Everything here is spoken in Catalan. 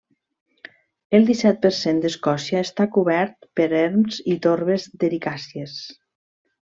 El disset per cent d'Escòcia està cobert per erms i torbes d'ericàcies.